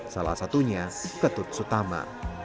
salah satunya ketut sutama